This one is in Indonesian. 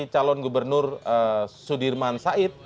calon gubernur sudirman said